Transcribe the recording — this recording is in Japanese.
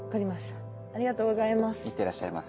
ありがとうございます。